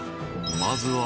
［まずは］